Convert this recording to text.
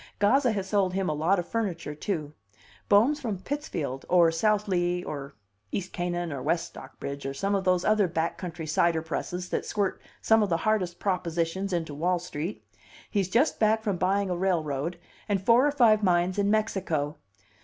Gazza has sold him a lot of furniture, too. Bohm's from Pittsfield, or South Lee, or East Canaan, or West Stockbridge, or some of those other back country cider presses that squirt some of the hardest propositions into Wall Street. He's just back from buying a railroad, and four or five mines in Mexico.